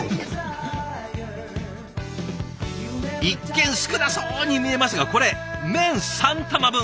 一見少なそうに見えますがこれ麺３玉分。